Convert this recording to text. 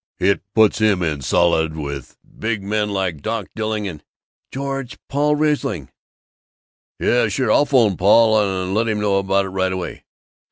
" it puts him in solid with big men like Doc Dilling and " "George! Paul Riesling " "Yes, sure, I'll 'phone Paul and let him know about it right away."